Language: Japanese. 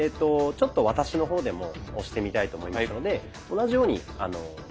ちょっと私の方でも押してみたいと思いますので同じように少し抵抗してみて下さい。